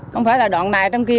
không phải là đoạn này trong kia